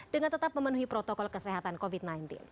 dengan tetap memenuhi protokol kesehatan covid sembilan belas